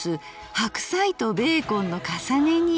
白菜とベーコンの重ね煮」。